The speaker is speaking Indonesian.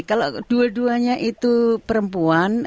kalau dua duanya itu perempuan